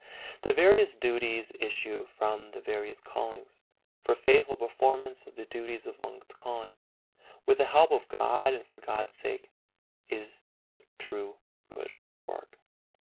The various duties issue from the various callings, for faithful performance of the duties of one's calling, with the help of God and for God's sake, is the true "good work."